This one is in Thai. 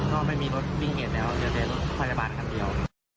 ก็ไม่มีรถวิ่งเหตุแล้วเดี๋ยวเป็นพยาบาลครั้งเดียว